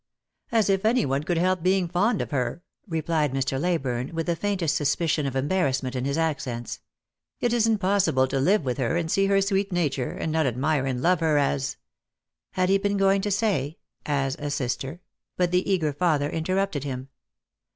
" As if any one could help being fond of her," replied Mr. Leyburne, with the faintest suspicion of embarrassment in his accents. " It isn't possible to live with her, and see her sweet nature, and not admire and love her as " He had been going to say " as a sister," but the eager father interrupted him.